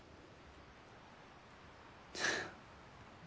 フッ。